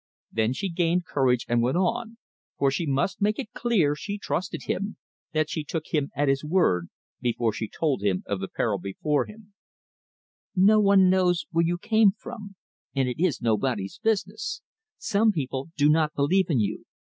Then she gained courage and went on, for she must make it clear she trusted him, that she took him at his word, before she told him of the peril before him "No one knows where you came from... and it is nobody's business. Some people do not believe in you.